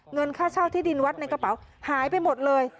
เงินค่าเช่าที่ดินวัดในกระเป๋าหายไปหมดเลย